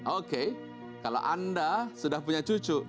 oke kalau anda sudah punya cucu